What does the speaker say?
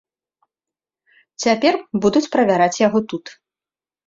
Цяпер будуць правяраць яго тут.